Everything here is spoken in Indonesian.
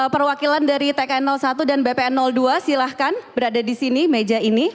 perwakilan dari tkn satu dan bpn dua silahkan berada di sini meja ini